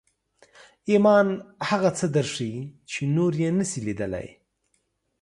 ایمان هغه څه درښيي چې نور یې نشي لیدلی